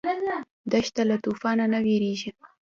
دښته له توفانه نه وېرېږي.